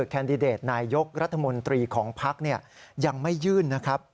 แคนดิเดตนายกรัฐมนตรีของภักดิ์ยังไม่ยื่นนะครับ